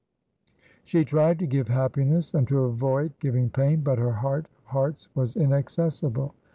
She tried to give happiness and to avoid giving pain, but her heart of hearts was inaccessible.